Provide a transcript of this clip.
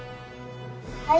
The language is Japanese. はい。